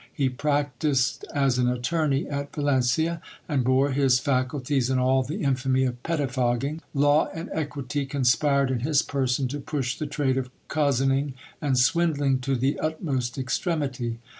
He practised as an attorney at Valencia, and bore his faculties in all the infamy of pettifogging ; law and equity conspired in his person to push the trade of cozening and swindling to the ut most extremity.